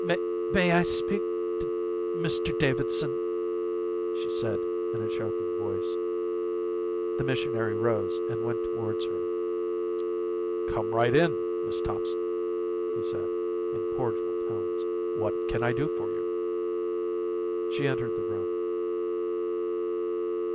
"May I speak to Mr Davidson?" she said in a choking voice. The missionary rose and went towards her. "Come right in, Miss Thompson," he said in cordial tones. "What can I do for you?" She entered the room.